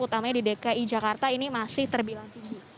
utamanya di dki jakarta ini masih terbilang tinggi